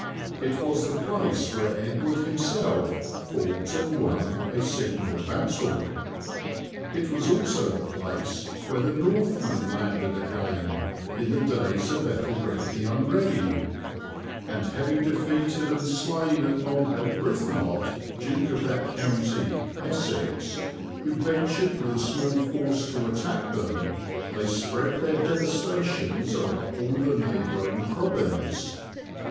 It was the place where Edward himself fought and won a signal battle. It was also the place where the Northmen landed again, in the days of Ethelred the Unready, "and having defeated and slain at Maldon Brithnot, Duke of that county, (Essex), who ventured with a small force to attack them, they spread their devastations over all the neighbouring province."